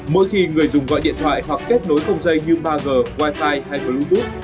mỗi khi người dùng gọi điện thoại hoặc kết nối không dây như ba g wi fi hay bluetooth